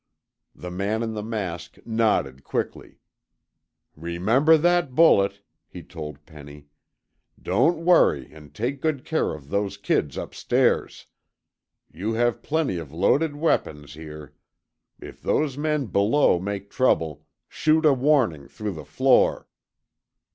The man in the mask nodded quickly. "Remember that bullet," he told Penny. "Don't worry and take good care of those kids upstairs. You have plenty of loaded weapons here. If those men below make trouble, shoot a warning through the floor."